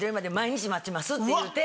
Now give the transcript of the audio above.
って言うて。